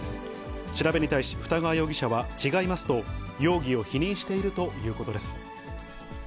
調べに対し、二川容疑者は違いますと、容疑を否認しているということです。